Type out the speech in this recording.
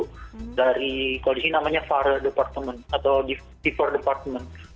kalau di sini namanya var department atau fever department